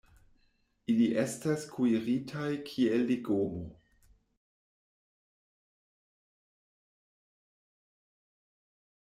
Ili estas kuiritaj kiel legomo.